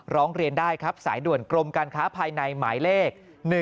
ร้องเรียนได้ครับสายด่วนกรมการค้าภายในหมายเลข๑๒